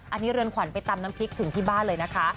อันนี้เรือนขวัญไปตำน้ำพริกถึงที่บ้านเลยนะคะ